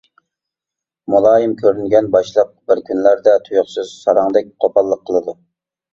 مۇلايىم كۆرۈنگەن باشلىق بىر كۈنلەردە تۇيۇقسىز ساراڭدەك قوپاللىق قىلىدۇ.